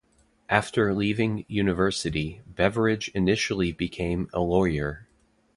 After leaving university, Beveridge initially became a lawyer.